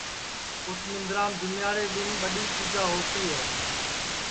اُس مندرام جومیاڑے دؔن ٻڈؔی پُوجا ہوتی ہے